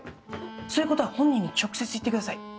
そういうことは本人に直接言ってください。